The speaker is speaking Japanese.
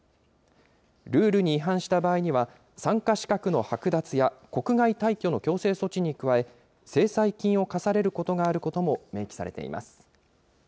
ルールに違反した場合には、参加資格の剥奪や国外退去の強制措置に加え、制裁金を科されることがあることも明記されています。